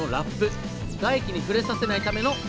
外気に触れさせないための一工夫です。